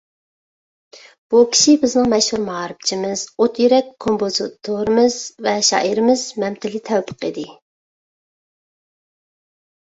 بۇ كىشى بىزنىڭ مەشھۇر مائارىپچىمىز، ئوت يۈرەك كومپوزىتورىمىز ۋە شائىرىمىز مەمتىلى تەۋپىق ئىدى.